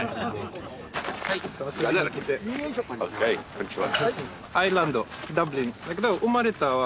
こんにちは。